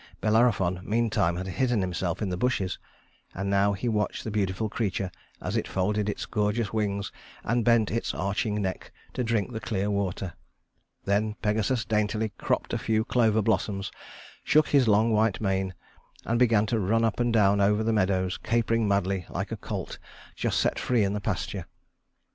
Bellerophon meantime had hidden himself in the bushes, and now he watched the beautiful creature as it folded its gorgeous wings and bent its arching neck to drink the clear water. Then Pegasus daintily cropped a few clover blossoms, shook his long white mane, and began to run up and down over the meadows, capering madly like a colt just set free in the pasture.